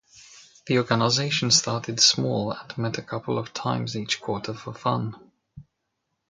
The organization started small and met a couple of times each quarter for fun.